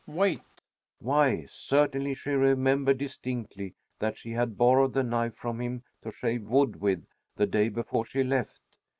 Wait! Why, certainly she remembered distinctly that she had borrowed the knife from him to shave wood with the day before she left.